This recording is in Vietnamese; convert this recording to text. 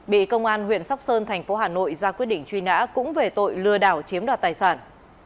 bị công an huyện sóc sơn thành phố hà nội ra quyết định truy nã cũng về tội lừa đảo chiếm đoạt tài sản